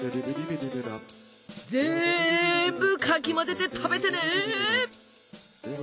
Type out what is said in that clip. ぜんぶかき混ぜて食べてね。